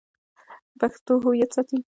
پښتو هویت ساتي.